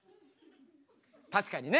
確かにね。